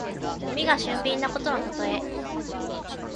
耳が鋭敏なことのたとえ。師曠のように耳がさといという意味。